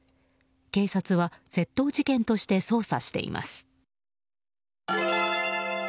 警察は窃盗事件として捜査しています。